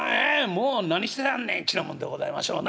もう何してたんねん』てなもんでございましょうな」。